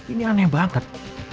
ini aneh banget